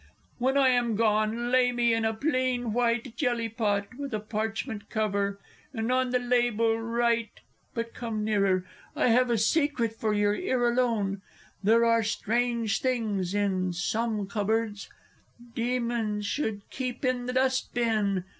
When I am gone, lay me in a plain white jelly pot, with a parchment cover, and on the label write but come nearer, I have a secret for your ear alone ... there are strange things in some cupboards! Demons should keep in the dust bin.